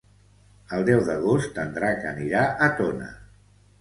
El deu d'agost en Drac anirà a Tona.